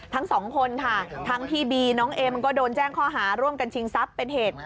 ทั้งสองคนค่ะทั้งพี่บีน้องเอ็มก็โดนแจ้งข้อหาร่วมกันชิงทรัพย์เป็นเหตุ